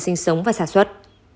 sinh sống và sản xuất